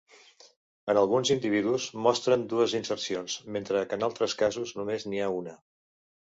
En alguns individus mostren dues insercions, mentre que en altres casos, només n'hi ha una.